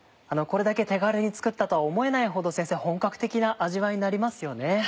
これだけ手軽に作ったとは思えないほど本格的な味わいになりますよね。